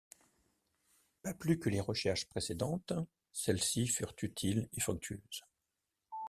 Pas plus que les recherches précédentes, celles-ci furent utiles et fructueuses.